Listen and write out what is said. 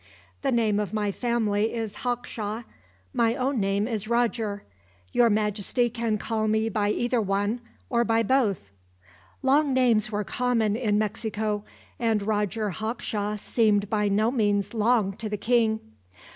The name of my family is Hawkshaw, my own name is Roger. Your Majesty can call me by either one, or by both." Long names were common in Mexico, and Roger Hawkshaw seemed by no means long to the king.